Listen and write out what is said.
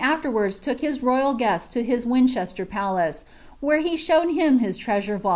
aKerwards took hia royal ^est to his Wincbeater Palan. where he showed him his treasure van!